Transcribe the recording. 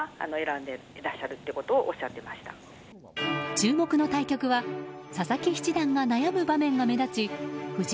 注目の対局は佐々木七段が悩む場面が目立ち藤井